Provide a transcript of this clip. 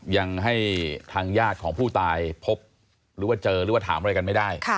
ยังให้ทางญาติของผู้ตายพบหรือว่าเจอหรือว่าถามอะไรกันไม่ได้